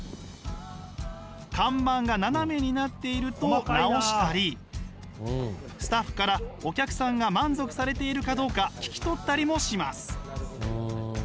看板が斜めになっていると直したりスタッフからお客さんが満足されているかどうか聞き取ったりもします。